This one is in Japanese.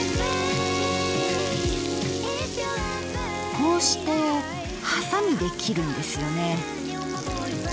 こうしてハサミで切るんですよね。